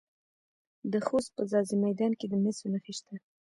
د خوست په ځاځي میدان کې د مسو نښې شته.